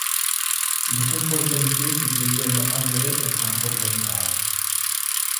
Le contrôle qualité s'était également avéré être un problème grave.